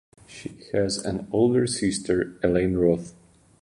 She has an older sister, Elaine Roth.